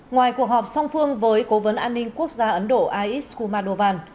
ngoài cuộc họp song phương với cố vấn an ninh quốc gia ấn độ a i s kumadovan